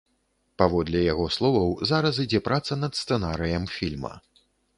Паводле яго словаў, зараз ідзе праца над сцэнарыем фільма.